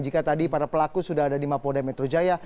jika tadi para pelaku sudah ada di mapolda metro jaya